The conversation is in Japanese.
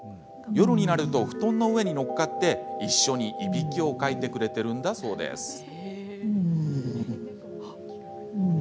夜になると布団の上に乗っかって一緒にいびきをかいてくれてるんだそうです。